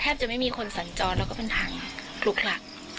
แทบจะไม่มีคนสั่นจอดแล้วก็เป็นทางลุกลักษณ์